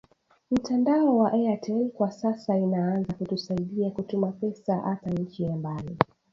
Mtandao wa airtel kwa sasa inaanza kutu saidia kutuma pesa ata inchi ya mbali